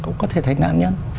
cũng có thể thấy ngã nhớ